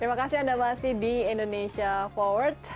terima kasih anda masih di indonesia forward